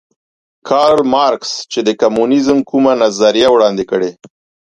کارل مارکس چې د کمونیزم کومه نظریه وړاندې کړې